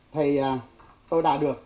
thì tôi đã được